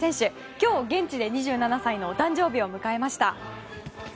今日、現地で２７歳のお誕生日を迎えました。